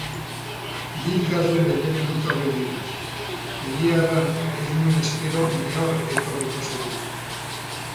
Bi ikasle bederen etorri dira, egia erran ez nuen espero nehor etorriko zenik.